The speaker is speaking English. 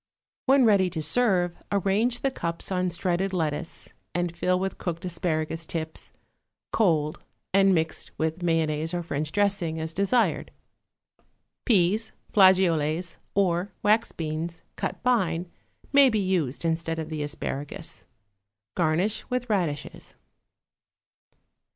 When ready to serve, arrange the cups on shredded lettuce and fill with cooked asparagus tips, cold and mixed with mayonnaise or French dressing, as desired. Peas, flageolets or wax beans, cut fine, may be used instead of the asparagus. Garnish with radishes.